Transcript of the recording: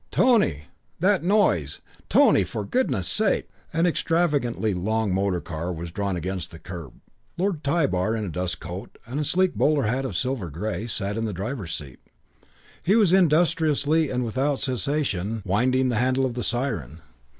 "Tony! That noise! Tony, for goodness' sake!" An extravagantly long motor car was drawn against the curb. Lord Tybar, in a dust coat and a sleek bowler hat of silver grey, sat in the driver's seat. He was industriously and without cessation winding the handle of the siren.